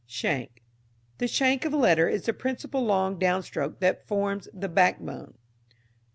Shank. The shank of a letter is the principal long downstroke that forms the backbone.